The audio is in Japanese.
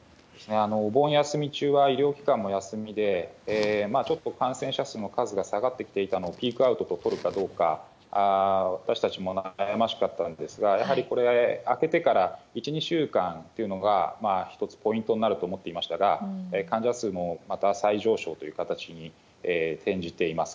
お盆休み中は、医療機関も休みで、ちょっと感染者数の数が下がってきていたのをピークアウトと取るかどうか、私たちも悩ましかったんですが、やはりこれ、明けてから１、２週間っていうのが１つポイントになると思っていましたが、患者数もまた再上昇という形に転じています。